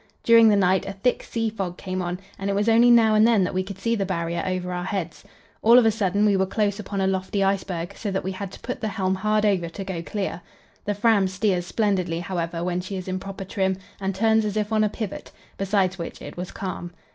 During the night a thick sea fog came on, and it was only now and then that we could see the Barrier over our heads. All of a sudden we were close upon a lofty iceberg, so that we had to put the helm hard over to go clear. The Fram steers splendidly, however, when she is in proper trim, and turns as if on a pivot; besides which, it was calm.